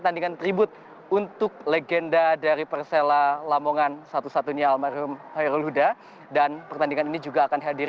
yang terakhir adalah yang terakhir adalah yang terakhir